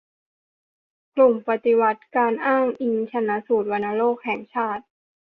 กลุ่มปฏิบัติการอ้างอิงชันสูตรวัณโรคแห่งชาติ